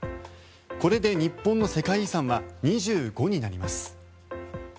これで日本の世界遺産は２５になります。